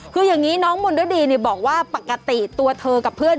คืออย่างนี้น้องมนรดีบอกว่าปกติตัวเธอกับเพื่อน